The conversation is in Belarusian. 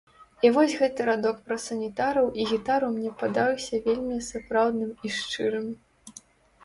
І вось гэты радок пра санітараў і гітару мне падаўся вельмі сапраўдным і шчырым.